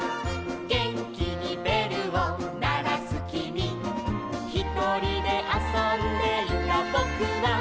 「げんきにべるをならすきみ」「ひとりであそんでいたぼくは」